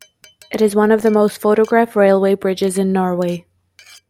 It is one of the most photographed railway bridges in Norway.